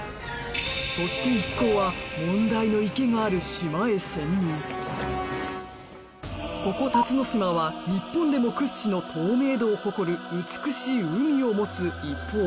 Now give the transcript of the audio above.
そして一行はここ辰ノ島は日本でも屈指の透明度を誇る美しい海を持つ一方